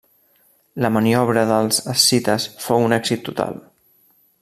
La maniobra dels escites fou un èxit total.